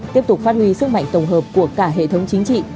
tiếp tục phát huy sức mạnh tổng hợp của cả hệ thống chính trị